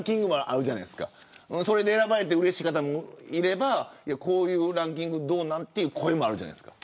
それで選ばれてうれしいと思う人もいればこういうランキングどうなんという声もあるじゃないですか。